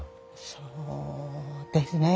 そうですね。